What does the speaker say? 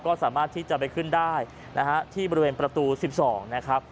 ก็สามารถที่จะไปขึ้นได้นะฮะที่บริเวณประตู๑๒นะครับ